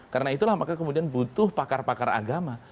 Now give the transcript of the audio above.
karena itulah kemudian butuh pakar pakar agama